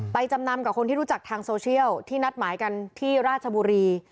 จำนำกับคนที่รู้จักทางโซเชียลที่นัดหมายกันที่ราชบุรี